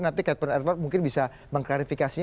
nanti captain advard mungkin bisa mengklarifikasinya